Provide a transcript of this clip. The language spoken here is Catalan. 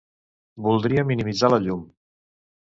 Voldria minimitzar la llum.